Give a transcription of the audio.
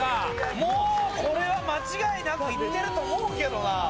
もうこれは間違いなく行ってると思うけどな。